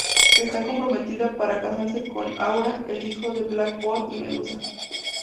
Está comprometida para casarse con Ahura, el hijo de Black Bolt y Medusa.